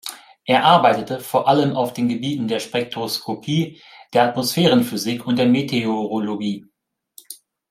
Er arbeitete vor allem auf den Gebieten der Spektroskopie, der Atmosphärenphysik und der Meteorologie.